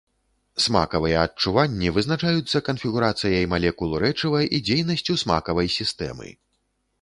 Смакавыя адчуванні вызначаюцца канфігурацыяй малекул рэчыва і дзейнасцю смакавай сістэмы.